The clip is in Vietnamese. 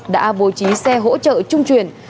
đã bố trí xe hỗ trợ chung chuyển